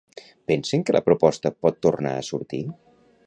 Pensen que la proposta pot tornar a sortir?